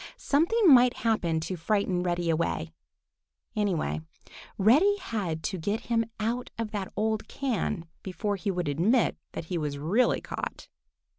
Something might happen to frighten Reddy away. Anyway, Reddy had got to get him out of that old can before he would admit that he was really caught.